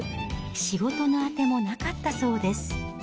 仕事のあてもなかったそうです。